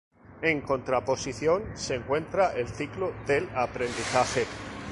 En contraposición se encuentra el ciclo del aprendizaje.